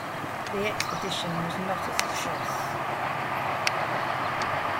The expedition was not a success.